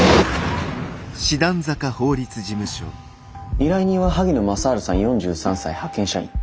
依頼人は萩野正治さん４３歳派遣社員。